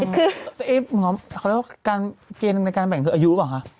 คือหมอเขาเรียกว่าการเกณฑ์ในการแบ่งคืออายุเปล่าคะ